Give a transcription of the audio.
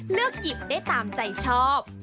เลือกหยิบได้ตามใจชอบ